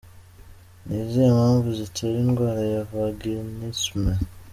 Ni izihe mpamvu zitera indwara ya Vaginisme?.